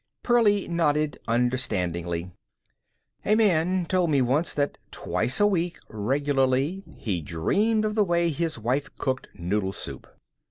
Pearlie nodded understandingly. "A man told me once that twice a week regularly he dreamed of the way his wife cooked noodle soup."